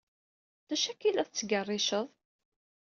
D acu akka ay la tettgerriceḍ?